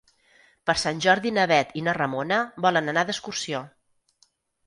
Per Sant Jordi na Bet i na Ramona volen anar d'excursió.